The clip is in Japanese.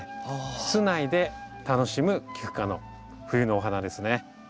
室内で楽しむキク科の冬のお花ですね。